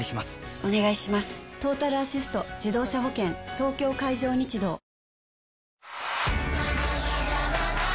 東京海上日動わぁ！